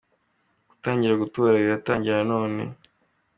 Gutangira gutora biratangira none